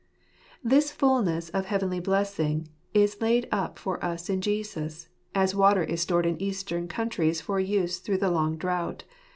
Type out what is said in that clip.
This fulness of heavenly blessing is laid up for us in Jesus, as water is stored in Eastern countries for use through the long drought.